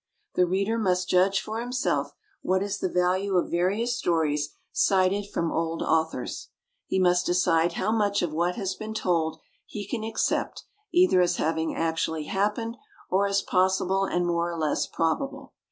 The reader must judge for himself what is the value of various stories cited from old authors. He must decide how much of what has been told he can accept either as having actually happened, or as possible and more or less probable.